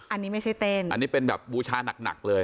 อันนี้ไม่ใช่เต้นอันนี้เป็นแบบบูชาหนักเลย